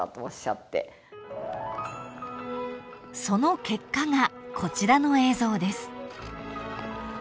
［その結果がこちらの映像です］